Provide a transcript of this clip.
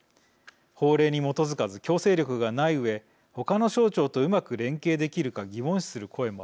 法令に基づかず強制力がないうえほかの省庁とうまく連携できるか疑問視する声もありました。